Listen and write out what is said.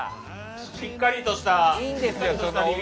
しっかりとした。